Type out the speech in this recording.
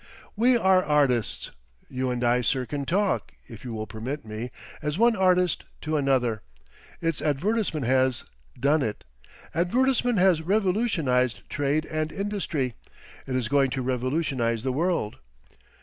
"We are artists. You and I, sir, can talk, if you will permit me, as one artist to another. It's advertisement has—done it. Advertisement has revolutionised trade and industry; it is going to revolutionise the world.